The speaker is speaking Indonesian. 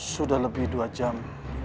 sudah lebih dua jam